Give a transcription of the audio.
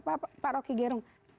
pak rocky gerung